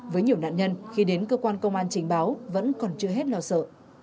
với nhiều nạn nhân khi đến cơ quan công an trình báo vẫn còn chưa hết lo sợ